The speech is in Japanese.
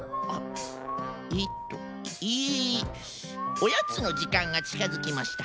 おやつのじかんがちかづきました。